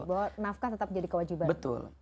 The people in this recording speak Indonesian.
bahwa nafkah tetap menjadi kewajiban suami